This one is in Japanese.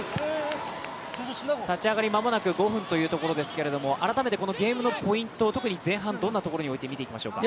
立ち上がり、間もなく５分というところですけど改めてこのゲームのポイント特に前半、どんなところに置いて見ていきましょうか。